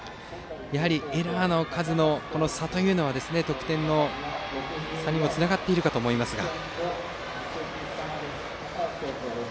やはりエラーの数の差が得点の差にもつながっているかと思いますが。